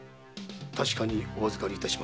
確かにお預かり致します。